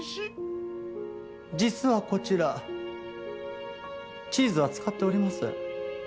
実はこちらチーズは使っておりません。